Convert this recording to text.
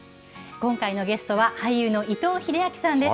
今回のゲストは、俳優の伊藤英明さんです。